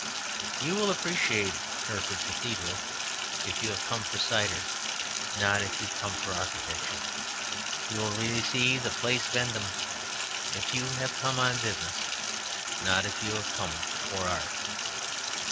You will appreciate Hereford Cathedral if you have come for cider, not if you have come for architecture. You will really see the Place Vendome if you have come on business, not if you have come for art.